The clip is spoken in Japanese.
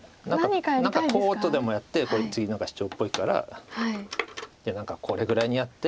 何かこうとでもやってこれ次シチョウっぽいからこれぐらいにやって。